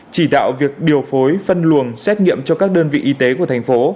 chỉ đạo việc điều phối phân luồng xét nghiệm cho các đơn vị y tế của thành phố